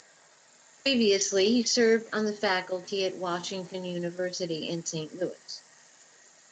Previously he served on the faculty at Washington University in Saint Louis.